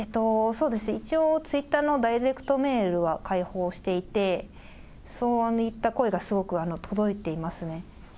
一応、ツイッターのダイレクトメールは開放していて、そういった声がすごく届いていますね。